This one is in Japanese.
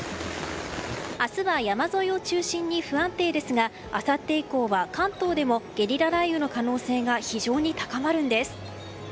明日は山沿いを中心に不安定ですがあさって以降は、関東でもゲリラ雷雨の可能性が非常に高まるんです。